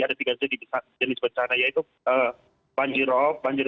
ada tiga jenis bencana yaitu banjir roh banjir